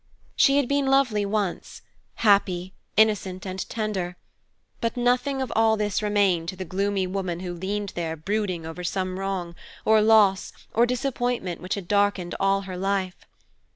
She had been lovely once, happy, innocent, and tender; but nothing of all this remained to the gloomy woman who leaned there brooding over some wrong, or loss, or disappointment which had darkened all her life.